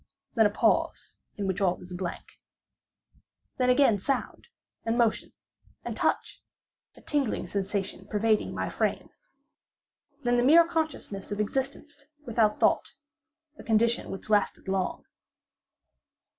Then a pause in which all is blank. Then again sound, and motion, and touch—a tingling sensation pervading my frame. Then the mere consciousness of existence, without thought—a condition which lasted long.